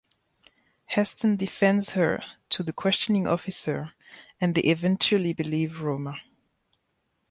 Heston defends her to the questioning officer and they eventually believe Ruhma.